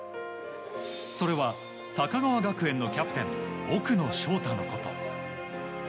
それは高川学園のキャプテン奥野奨太のこと。